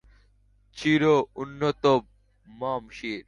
চির উন্নত মম শির।